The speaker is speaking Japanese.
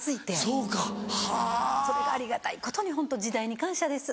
それがありがたいことにホント時代に感謝です。